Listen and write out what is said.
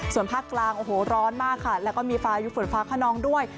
ส่วนภาคกลางโอ้โหร้อนมากค่ะแล้วก็มีพายุฝนฟ้าขนองด้วย